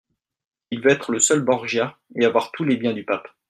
Il veut être le seul Borgia, et avoir tous les biens du pape.